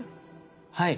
はい。